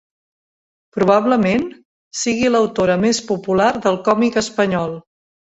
Probablement, sigui l'autora més popular del còmic espanyol.